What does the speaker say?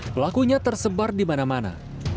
pelakunya tersebar di mana mana